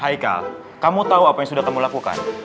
haikal kamu tahu apa yang sudah kamu lakukan